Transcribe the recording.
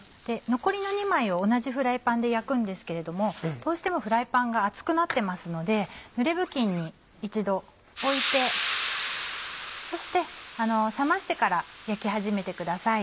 残りの２枚を同じフライパンで焼くんですけれどもどうしてもフライパンが熱くなってますのでぬれ布巾に一度置いてそして冷ましてから焼き始めてください。